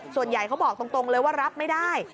ส่วนใหญ่เขาบอกตรงเลยว่ารับไม่ได้